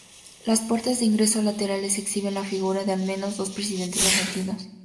Las puertas de ingreso laterales exhiben la figura de al menos dos presidentes argentinos.